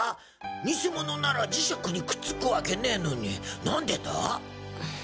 ニセモノなら磁石にくっつくわけねぇのになんでだ？